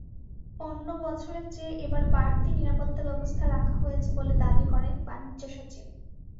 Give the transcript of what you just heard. অন্য বছরের চেয়ে এবার বাড়তি নিরাপত্তা ব্যবস্থা রাখা হয়েছে বলে দাবি করেন বাণিজ্যসচিব।